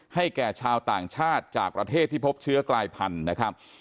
แก่ชาวต่างชาติจากประเทศที่พบเชื้อกลายพันธุ์นะครับ